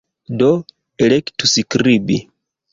Do, elektu "skribi"